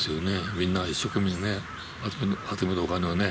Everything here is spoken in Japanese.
みんな一生懸命ね、集めたお金をね。